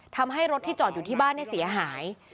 ทำให้รถที่จอดอยู่ที่บ้านเสียหาย